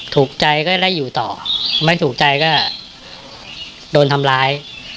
ถูกใจก็ได้อยู่ต่อไม่ถูกใจก็โดนทำร้าย